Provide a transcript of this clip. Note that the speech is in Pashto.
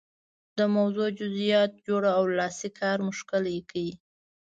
د موضوع جزئیات جوړ او لاسي کار مو ښکلی کړئ.